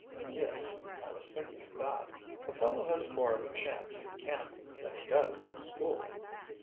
"Yes, I was thinking of that. A fellow has more of a chance in camp than he does in school."